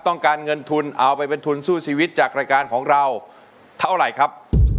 ต้องการเงินทุนเอาไปเป็นทุนสู้ชีวิตจากรายการของเราเท่าไหร่ครับ